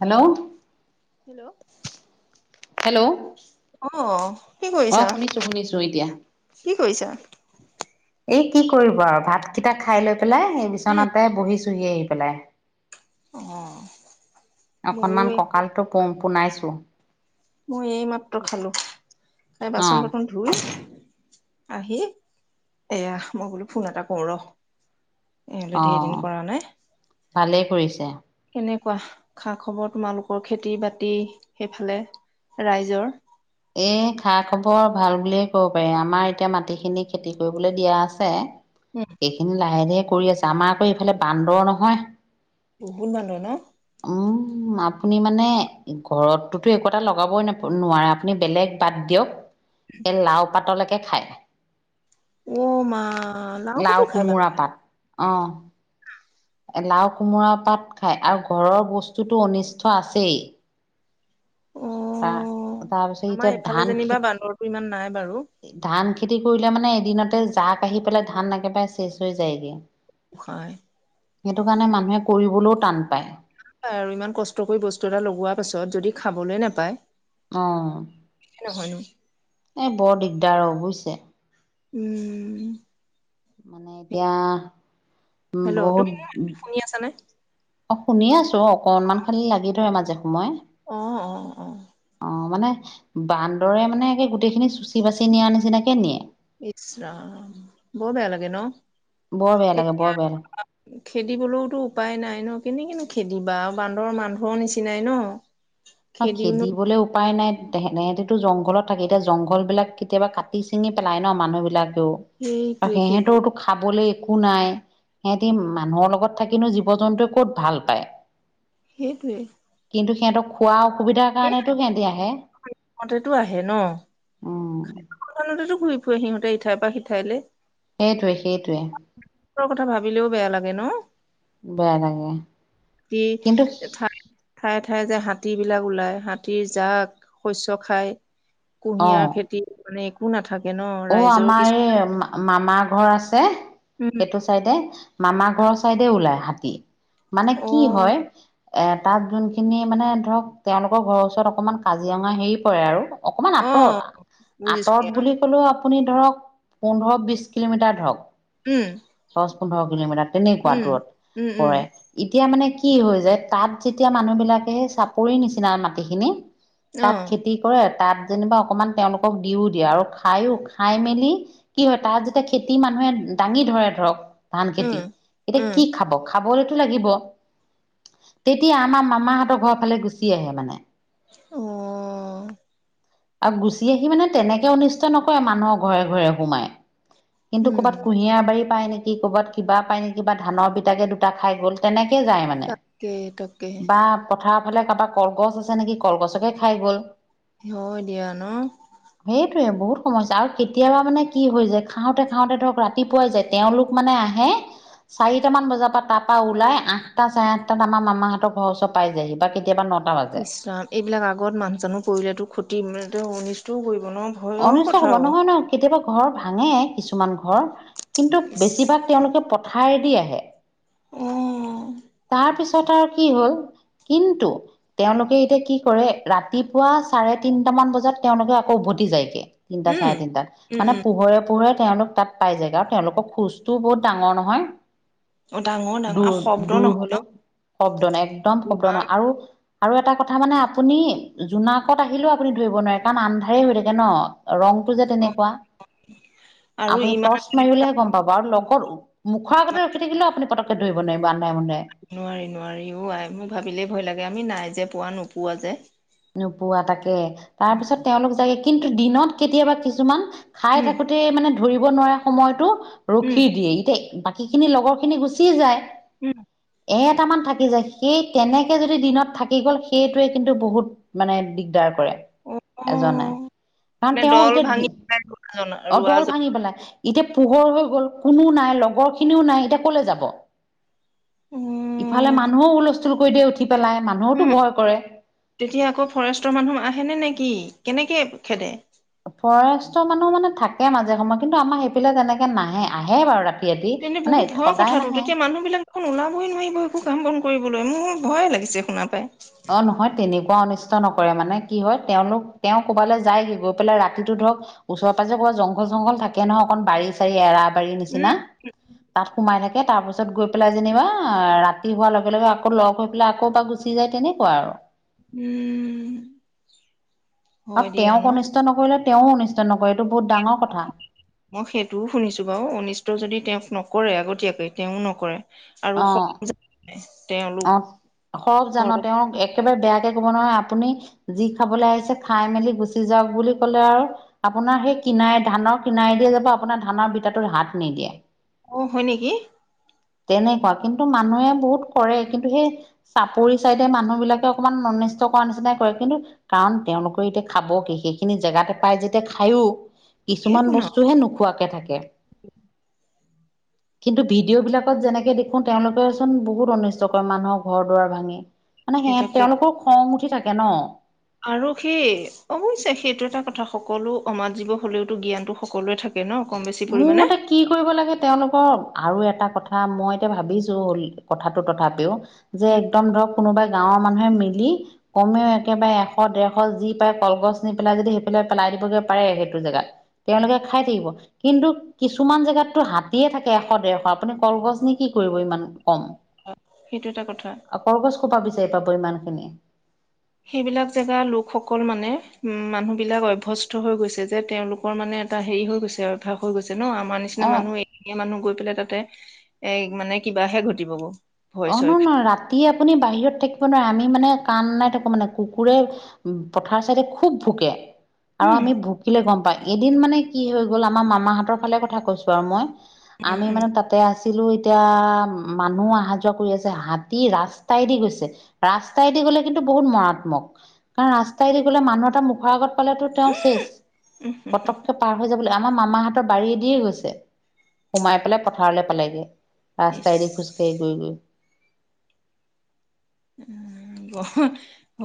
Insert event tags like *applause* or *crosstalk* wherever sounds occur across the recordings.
Hello hello hello. অ' কি অ কৰিছা? শুনিছো শুনিছো এতিয়া। কি কৰিছা? এই কি কৰিব আৰু ভাতকেইটা খাই লৈ পেলাই সেই উম বিচনাতে বহিছোহি আহি পেলাই আহ অকনমান কঁকালটো প পনাইছো মই এই মাত্ৰ খালো খাই অ বাচন বৰ্তন ধুই আহি এয়া মই বোলো ফোন এটা কৰো ৰ এলে অ ধেৰ দিন কৰা নাই ভালেই কৰিছে। কেনে। কোৱা খা খবৰ তোমালোকৰ খেতি বাতি সেইফালে ৰাইজৰ। এ খা খবৰ ভাল বুলিয়ে কব পাৰি। আমাৰ এতিয়া মাটি খিনি খেতি কৰিবলৈ দিয়া আছে। উম এইখিনি লাহে লাহে কৰি আছে আমাৰ আকৌ ইফালে বান্দৰ নহয়। বহুত মানুহ নহ। উম আপুনি মানে ঘৰতটো একো এটা লগাবই নোৱাৰো। আপুনি বেলেগ বাদ দিয়ক এই লাও পাতলৈকে খায়। উ মা লাও পাতো খায় বাৰু। অঁ,। লাওঁ কোমোৰা পাত খাই আৰু ঘৰৰ বস্তুটো অনিষ্ট আছেই। অ তা তাৰপিছত আমাৰ ইতিয়া এইফালে ধান যেনিবা বান্দৰটো ইমান নাই বাৰু খেতি। ধান খেতি কৰিলে মানে এদিনতে জাক আহি পেলাই ধান একেবাৰে শেষ হৈ যায়গে। খায়। সেইটো কাৰণে মানুহে কৰিবলৈও টান। পায় *unintelligible* ইমান কষ্ট কৰি বস্তু এটা লগোৱাৰ পাছত যদি খাবলৈ নাপায়। অ। হয়নো। এ বৰ দিগদাৰ অ' বুজিছে। উম। মানে এতিয়া হেল্ল' বহুত। তুমি শুনি আছানে? অ' শুনি আছো অকনমান খালি লাগি ধৰে মাজে সময়ে। অ অ অ। অ' মানে বান্দৰে মানে গোটেই খিনি চুচি বাচি নিয়াৰ নিচিনাকে নিয়ে। ইছ ৰাম বৰ বেয়া লাগে নহ। বৰ বেয়া লাগে বৰ বেয়া লাগে এতিয়া খেদিবলৈওতো উপায় নাই নহ কেনেকে নহ। খেদিবা আৰু বান্দৰ মানুহৰ নিচিনাই নহ। না খেদিবলৈ উপায় নাই তে সেইটো জংঘলত থাকে এতিয়া জংঘল বিলাক কেতিয়াবা কাটি ছিঙি পেলাই নহ মানুহ বিলাক। আৰু সেইটোৱে সেইটোৱে সিহতৰ ইটো খাবলৈ। একো নাই সিহতি মানুহৰ লগত থাকিনো জীৱ জন্তুৱে ক'ত ভাল পায়। সেইটোৱে। কিন্তু সিহঁতক খোৱা অসুবিধাৰ কাৰণেতো সিহঁতি আহে সেয়া সেইতো আহে নহ। উম সেই খনোটো ঘূৰি ফুৰে সিহঁতে ইঠাই বা সিঠাইলে। সেইটোৱে সেইটোৱে কথা ভাবিলেও বেয়া লাগে ন। বেয়া লাগে কি কিন্তু। ঠাই ঠায়ে ঠায়ে যে হাতী বিলাক ওলাই হাতীৰ জাক শস্য খাই কুঁহিয়াৰ অ সেইটো মানে একো নাথাকে। অ' আমাৰ কিছু এই মামাৰ ঘৰ আছে উম সেইটো চাইডে। মামা ঘৰৰ চাইডে ওলাই হাতী মানে কি হয়। এ তাত যোনখিনি মানে ধৰক তেওঁলোকৰ ঘৰৰ ওচৰত অকমান কাজিৰঙা হেৰি পৰে আৰু। অকমান আঁতৰত আঁতৰত বুলি। ক'লেও আপুনি ধৰক পোন্ধৰ বিশ কিলোমিটাৰ ধৰক। দহ পোন্ধৰ কিলোমিটাৰ তেনেকুৱা দূৰত পৰে এতিয়া মানে। কি হৈ যায় তাত যেতিয়া মানুহ বিলাকে সেই চাপৰি নিচিনা মাটিখিনি। তাত খেতি কৰে তাত যেনিবা অকমান তেওঁলোকক দিও দিয়ে আৰু। খায়ো খাই মেলি কি হয় তাত যেতিয়া খেতি মানুহে দাঙি ধৰে ধৰক। ধান খেতি এতিয়া কি খাব খাবই *unintelligible* লাগিব তেতিয়া আমাৰ মামাহঁতৰ ঘৰৰ ফালে গুচি আহে মানে। অ',। আৰু গুচি আহি মানে তেনেকে অনিষ্ট নকৰে মানুহৰ ঘৰে ঘৰে সোমাই। কিন্তু উম ক'ৰবাত কুঁহিয়াৰ বাৰী পায় নেকি ক'ৰবাত কিবা পায় নেকি বা ধানৰ বিটাকে দুটা খাই গ'ল তেনেকে যায় মানে তাকে তাকে বা পঠাৰ ফালে কাৰোবাৰ কলগছ আছে নেকি কলগছকে খাই গ'ল হয় দিয়া ন সেইটোৱে বহুত সমস্যা আৰু কেতিয়াবা মানে কি হৈ যায় খাওঁতে খাওঁতে ধৰক ৰাতিপুৱাই যায় তেওঁলোক মানে আহে চাৰিটামান বজাৰ পৰা তাৰ পৰা ওলাই আঠটা চাৰে আঠটাত আমাৰ মামাহঁতৰ ঘৰ ওচৰ পাই যায়হি বা কেতিয়াবা ন ইছলাম এইবিলাক আগত মানুহ জানো কৰিলেতো ক্ষতি মান অনিষ্টও কৰিব ন ভয়ৰ উঊৈ হব কথাও নহয় নয় কেতিয়াবা ঘৰ ভাঙে কিছুমান ঘৰ কিন্তু ইচ বেছিভাগ তেওঁলোকে পথাৰেদি আহে। উম তাৰ পিছত আৰু কি হল কিন্তু, তেওঁলোকে এতিয়া কি কৰে ৰাতিপুৱা চাৰে তিনটামান বজাত তেওঁলোকে আকৌ উভতি যায়গে। তিনটা উম চাৰে তিনটাত উম মানে উম পোহৰে পোহৰে তেওঁলোক তাত পাই যায় আৰু তেওঁলোকক। কোজও বহুত ডাঙৰ নহয় ডাঙৰ ডাঙৰ দূৰ অসম দূৰ হলেও শব্দ নাই একদম শব্দ ইমান নহয় আৰু আৰু এটা কথা মানে আপুনি জোনাকত আহিলেও আপুনি ধৰিব নোৱাৰে কাৰণ আন্ধাৰে হৈ থাকে ন ৰংটো যে অ তেনেকুৱা আৰু আপুনি ইমান টৰ্চ মাৰিবলৈহে গম পাব আৰু লগত মুখৰ আগতে ইমান ৰখি থাকিলেও আপুনি পটকে ধৰিব নোৱাৰিব। আন্ধাৰে মুন্ধাৰে নোৱাৰি নোৱাৰি ও মোৰ ভাবিলেই ভয় লাগে আমি নাই যে পোৱা নোপোৱা যে নোপোৱা তাকে তাৰপিছত তেওঁলোক যায়গে কিন্তু, দিনত কেতিয়াবা কিছুমান খাই উম থাকোতে মানে ধৰিব নোৱাৰা সময়তটো উম ৰখি দিয়ে ইতিাই বাকীখিনি লগৰখিনি গুচি যায় উম। এটামান থাকি যায় সেই তেনেকে যদি দিনত থাকি গ'ল সেইটোৱে কিন্তু বহুত মানে দিগদাৰ কৰে এজনাই অ'। কাৰণ মানে তেওঁ দল ভাঙি পেলাই ৰোৱাজন এতিয়া অ দল ৰোৱাজন ভাঙি পেলাই। এতিয়া পোহৰ হৈ গল কোনো নাই লগৰ খিনিও নাই এতিয়া কলে যাব ইফালে উম, মানুহও হুলস্থুল কৰি দিয়ে উঠি পেলাই মানুহতো ভয় কৰে। তেতিয়া আকৌ ফৰেষ্টৰ মানুহ আহে নে নেকি কেনেকে খেদে ফৰেষ্টৰ মানুহ মানে থাকে মাজে সময় কিন্তু, আমাৰ সেইফালে তেনেকে নাহে আহে বাৰু ৰাতি ৰাতি তেন্তনে মানে বহুত ভয় সদায় কথাটো নাহে তেতিয়া মানুহ বিলাক দেখোন ওলাবই নোৱাৰিব একো কাম বন। কৰিবলৈ মোৰ ভয়ে লাগিছে শুনা পাই অ' নহয় তেনে অনিষ্ট নকৰে মানে কি হয় তেওঁলোক তেওঁ ক'বালৈ যায়গ গৈ পেলাই ৰাতিতটো ধৰক ওচৰে পাজ জংঘল জংঘল থাকে নহয় অকন বাৰি চাৰি এৰা বাৰী নিচিনা তাত সোমাই থাকে তাৰপিছত গৈ পেলাই যেনিবা ৰাতি হোৱাৰ লগে লগে আকৌ লগ হৈ পেলাই আকৌ বা গুচি যায় তেনে। কোৱা আৰু। উম হয় আৰু দিয়া ন? তেওঁক অনিষ্ট নকৰিলে তেওঁও অনিষ্ট নকৰে। এইটো বহুত ডাঙৰ কথা মই সেইটোও শুনিছো বাৰু অনিষ্ট যদি তেওঁক নকৰে আগতীয়াকে তেওঁও নকৰে আৰু অ ন অ', সৰব জান তেওঁ একেবাৰে বেয়া ত কব নোৱাৰে আপুনি যি খাবলৈ আহিছে খাই মেলি গুচি যাওক বুলি ক'লে আৰু আপোনাৰ সেই কিনাই ধানৰ কিনাই দিয়ে যাব আপোনাৰ ধানৰ বিটাটো হাত নিদিয়ে। অ হয় নেকি তেনেকুৱা কিন্তু, মানুহে বহুত। কৰে কিন্তু সেই চাপৰি চাইডে মানুহ বিলাকে অকণমান অনিষ্ট কৰা নিচিনাই কৰে কিন্তু কাৰণ তেওঁ তেওঁলোকৰ এতিয়া খাব কি সেইখিনি জেগাতে পাই যেতিয়া খায়ো সেইটো কিছুমান ন, বস্তুহে নোখোৱাকে থাকে। কিন্তু ভিডিঅ' বিলাকত যেনেকে দেখো তেওঁলোকেচোন বহুত অনু *unintelligible* মানুহৰ ঘৰ দুৱাৰ ভাঙি মানে সেই সেহাত তাকে তেওঁলোকৰ খং উঠি থাকে ন। আৰু সেই অৱয়ছে সেইটো এটা কথা সকলো অমাত জীৱ হলেও তো জ্ঞানতটো সকলোৱে থাকে। ন কম বেছি মোৰ পৰিমাণে মতে কি কৰিব লাগে তেওঁলোকৰ আৰু এটা কথা মই এতিয়া ভাবিছো হল কথাটো তথাপিও যে একদম ধৰক কোনোবাই গাঁৱৰ মানুহে মিলি কমেও একেবাৰে এশ ডৰশ যি পায় কলগছ নি পেলাই যদি সেই পেলাই পেলাই দিবগে পাৰে সেইটো জেগাত তেওঁলোকে খাই থাকিব। কিন্তু কিছুমান জেগাততো হাতীয়ে থাকে এশ ডৰশ আপুনি কলগছ নি কি কৰিব ইমান কম। সেইটো এটা কথা। কৰ পৰা বিচাৰি পাব ইমান খিনি। সেইবিলাক জেগা লোকসকল মানে উ মানুহ বিলাক অভ্স্ত হৈ গৈছে যে তেওঁলোকৰ মানে এটা হেৰি হৈ গৈছে উভ্যাস হৈ গৈছে। ন আমাৰ নিচিনা অ'। মানুহ এইখিনিয়ে মানুহ গৈ পেলাই তাতে এ মানে কিবাহে ঘটিব গৈ। অ' ন ন ৰাতি আপুনি বাহিৰত থাকিব নোৱাৰে আমি মানে কাণ নাই *unintelligible* মানে কুকুৰে পথাৰ চাইডে খুব ভুকে। আৰু উম আমি ভুকিলে গম পাম এদিন মানে কি হৈ গ'ল আমাৰ মামাহঁতৰ ফালে কথা কৈছো আৰু মই উম আমি উম মানে তাতে আছিলো এতিয়া মানুহ আহা কৰি আছে হাতী ৰাস্তাই দি গৈছে ৰাস্তাইদি গ'লে কিন্তু বহুত মাৰাত্মক কাৰণ ৰা আতৰাই দি পেলে মানুহ এটা মোখৰ আগত পেলাই ঠয় তেও ছেছ উম পতককে পাৰ হয় জাব আমাৰ মামাহঁতৰ বাৰীদিয়ে গৈছে সোমাই পেলাই পথাৰলৈ পালেগে। ইচ ৰাস্তাই দি খোজ কাঢ়ি গয়-গয়।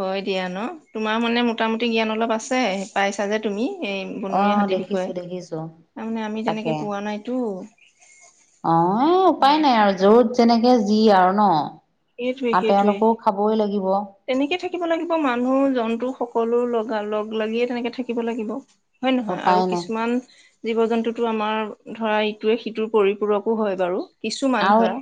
হয় দিয়া ন তোমাৰ মানে মোটামুটি জ্ঞান অলপ আছে পাইছা যে তুমি। এই বনৰীয়া অ', হাতীৰ বিষয়ে দেখিছো দেখিছো তাৰমানে আমি তেনেকে তাকে পোৱা নাইতো। অ' উপায় অ'। নাই আৰু যত যেনেকে কি আৰু ন সেইটোৱে আৰু সেইটোৱে। তেওঁলোকেও খাবই লাগিব। তেনেকে থাকিব লাগিব মানুহ জন্তু সকলো লগা লগ লাগিয়ে তেনেকে থাকিব লাগিব। হয় নহয় আৰু উপায় নাই কিছুমান জীৱ জন্তুটো আমাৰ ধৰা ইটোৱে সিটোৰ পৰিপূৰকো হয় বাৰু। কিছুমান আৰু ধৰা।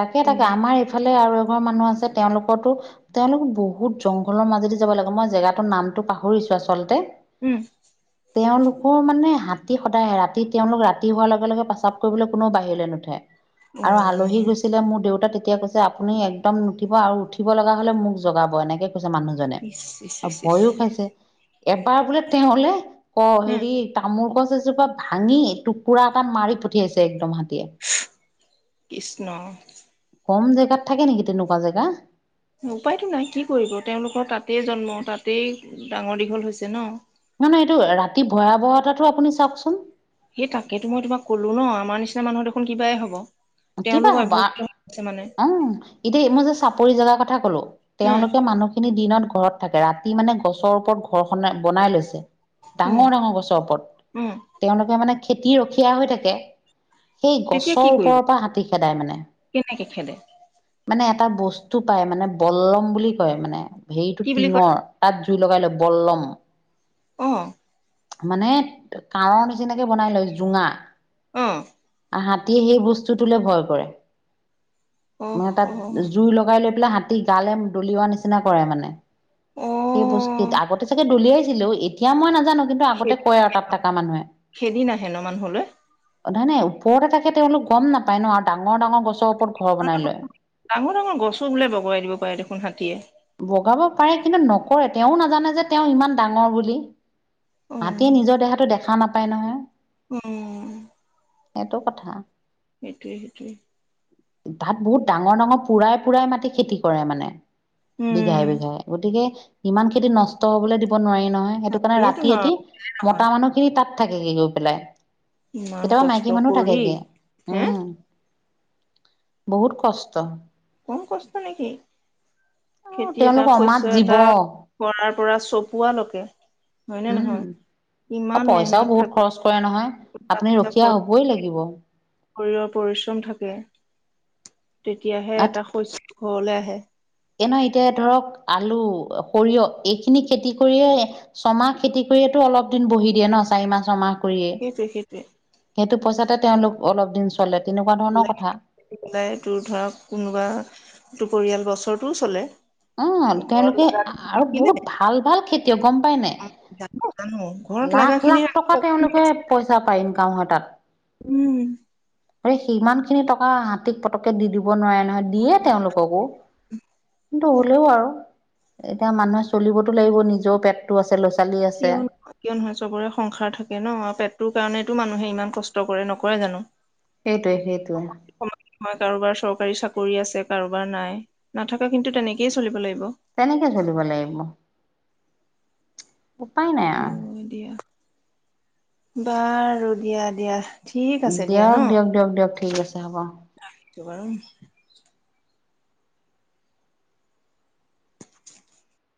তাকে তাকে আমাৰ ইফালে আৰু এঘৰ মানুহ আছে তেওঁলোকৰো তেওঁলোক বহুত জংঘলৰ মাজেদি যাব লাগে মই জেগাৰ নামটো পাহৰিছো আচলতে। উম। তেওঁলোকৰ মানে হাতী সদায়ে ৰাতি তেওঁলোক ৰাতি হোৱাৰ লগে লগে পেচাপ কৰিবলৈ কোনেও বাহিৰলৈ নুঠে। আৰু আলহী অ' গৈছিলে মোৰ দেউতা তেতিয়া কৈছে আপুনি একদম নুঠিব আৰু উঠিব লগা হলে মোক জগাব এনেকে *unintelligible* মানুহজনে ইচ ইচ আৰু ইচ ইচ ভয়ো খাইছে এবাৰ বোলে তেওঁলে অ' উম। হেৰি তামোল গছ এজোপা ভাঙি টুকুৰা এটা মাৰি পঠিয়াইছে একদম। *unintelligible* কৃষ্ণ। কম জেগাত থাকে নেকি তেনেকুৱা জেগা। উপায়তটো নাই কি কৰিব তেওঁলোকৰ তাতেই জন্ম তাতেই ডাঙৰ দীঘল হৈছে ন। নহয় এইটো ৰাতি ভয়াৱহতাটো আপুনি চাওকচোন। সেই তাকেতো মই তোমাক কলো ন আমাৰ নিচিনা মানুহ দেখোন কিবাই হব। কিবা তেওঁলোক হবা অভ্যস্ত হৈ গৈছে মানে উম, এতিয়া মই যে চাপৰি জগাৰ কথা কলো উম তেওঁলোকে মানুহখিনি দিনত ঘৰত থাকে ৰাতি মানে গছৰ ওপৰত ঘৰ খন বনাই লৈছে। উম ডাঙৰ ডাঙৰ গছৰৰ ওপৰত উম তেওঁলোকে মানে খেতি ৰখীয়া হৈ থাকে। সেই তেতিয়া কি গছৰ কৰিব ওপৰৰ পৰা হাতী খেদায় মানে। কেনেকে খেদে মানে এটা বস্তু পাই মানে বল্লম বুলি কয় মানে হেৰিটো কি বুলি কয় টিঙৰ তাত জুই লগাই লৈ বল্লম অ'। মানে কাৱৰ নিচিনাকে বনাই লয় জোঙা। অ'। হাতীয়ে সেই বস্তু তে ভয় কৰে অহ মানে তাত অহ জুই লগাই লৈ পেলাই হাতী গালে দলিওৱা নিচিনা কৰে মানে। অ সেই বস্ত আগতে চাগে দলিয়াইছিলো এতিয়া মই নাজো জানো কিন্তু খে আগতে কয় আৰু তাত থকা মানুহে খেদি নাহে ন মানুহলৈ নাই নাই ওপৰতে থাকে তেওঁলোক গম নাপায় ন আৰু ডাঙৰ ডাঙৰ গছৰ ওপৰত ঘৰ বনাই লয় ডাঙৰ ডাঙৰ গছো বোলে বগৰাাই দিব পাৰে দেখোন হাতীয়ে কৰে তেওঁ নাজানে যে তেওঁ ইমান ডাঙৰ বুলি অ মাতে নিজৰ দেহাটো দেখা নাপায় পাই নহয় উ সেইটো কথা সেইটয়ে সেইটয়ে তাত বহুত ডাঙৰ ডাঙৰ পুৰাই পুৰাই মাটি খেতি কৰে মানে। বিঘাই উম বিঘাই গতিকে ইমান খেতি নষ্ট হবলৈ দিব নোৱাৰি। নহয় সেইটো কাৰণে তাকেইতো ৰাতি ন ৰাতি নহয় মতা মানুহ খিনি তাত থাকেগে গৈ পেলাই ইমান কেতিয়াবা কষ্ট মাইকী মানুহ কৰি থাকেগে হে উম বহুত কষ্ট কোন কছ্ত নেকি অ খেতি এটা তেওঁলোক অমাত শস্য় জীৱ এটা কৰাৰ পৰা চপুৱালৈকে উম আৰু পইচাও বহুত থাকে খৰচ কৰে নহয় টকা আপুনি পইচা ৰখীয়া খৰচ হবই লাগিব শৰীৰৰ পৰিশ্ৰম থাকে তেতিয়াহে আঠ এটা শস্য ঘৰলৈ আহে। এ নহ এতিয়া ধৰক আলু সৰিয়হ এইখিনি খেতি কৰিয়ে ছমাহ খেতি কৰিয়ে। এইটো অলপ দিন বহি দিয়ে নহ চাৰিমাহ ছমাহ। কৰিয়ে সেইটোৱে সেইটোৱে। সেইটো পইচাতে তেওঁলোক অলপ দিন চলে। তেনেকুৱা ধৰণৰ কথা লাই পলাই তোৰ ধৰক কোনোবা তোৰ পৰিয়াল বছৰটোও চলে অ ঘৰত তেওঁলোকে লগা আৰু ৰাখিলে বহুত ভাল ভাল খেতিয় গম পায়নে জানো জানো ঘৰত লাখ লগা খিনি লাখ টকা ৰাখিলে তেওঁলোকে পইচা পায় ইনকাম হয় তাত উম আৰে সিমান খিনি টকা হাতীক পতকে দি দিওঁ। দিব নোৱাৰে নহয় দিয়ে তেওঁলোককো কিন্তু হলেও আৰু। এতিয়া মানুহে চলিবতো লাগিব নিজৰও পেটটো আছে ল'ৰা ছোৱালী আছে কিয় নহয় কিয় নহয় চবৰে সংসাৰ থাকে ন পেটটোৰ কাৰণেতো মানুহে ইমান কষ্ট কৰে নকৰে জানো। সেইটোৱে সেইটোৱে মই কাৰোবাৰ চৰকাৰী চাকৰি আছে কাৰোবাৰ নাই নাথাককা কিন্তু তেনেকেই চলিব লাগিব তেনেকে চলিব লাগিব। উপায় নাই অ আৰু দিয়া বাৰু দিয়া দিয়া ঠিক আছে দিয়া দিয়ক ন। দিয়ক দিয়ক দিয়ক ঠিক আছে হ'ব তোমাৰ।